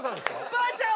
ばあちゃん